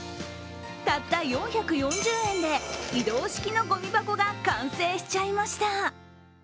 たった４４０円で移動式のごみ箱が完成しちゃいました。